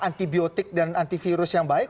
antibiotik dan antivirus yang baik